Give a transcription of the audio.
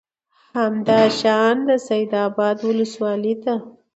همدا شان د سید آباد ولسوالۍ ته